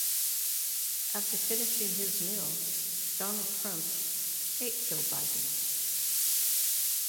After finishing his meal, Donald Trump ate Joe Biden.